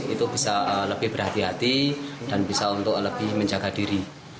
itu bisa lebih berhati hati dan bisa untuk lebih menjaga diri